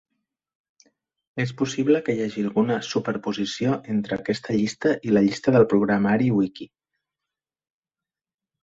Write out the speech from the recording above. És possible que hi hagi alguna superposició entre aquesta llista i la llista de programari wiki.